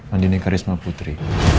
antinnya karisma putri